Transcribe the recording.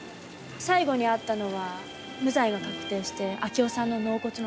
最後に会ったのは無罪が確定して明夫さんの納骨の時です。